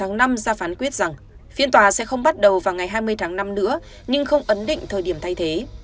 ông trump đã nói rằng phiên tòa sẽ không bắt đầu vào ngày hai mươi tháng năm nữa nhưng không ấn định thời điểm thay thế